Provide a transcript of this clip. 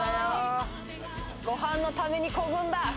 ご飯のために漕ぐんだ。